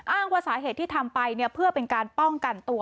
อ้างว่าสาเหตุที่ทำไปเพื่อเป็นการป้องกันตัว